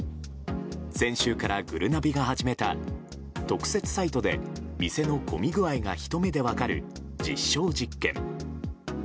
先週からぐるなびが始めた特設サイトで店の混み具合がひと目で分かる実証実験。